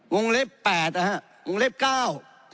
วงเล็บแปดนะฮะวงเล็บเก้า